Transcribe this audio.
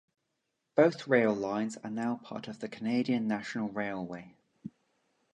Both rail lines are now part of Canadian National Railway.